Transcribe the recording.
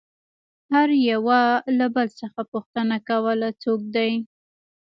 هر يوه له بل څخه پوښتنه کوله څوک دى.